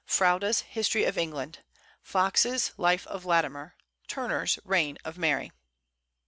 Froude's History of England; Fox's Life of Latimer; Turner's Reign of Mary.